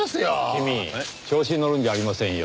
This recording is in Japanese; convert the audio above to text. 君調子にのるんじゃありませんよ。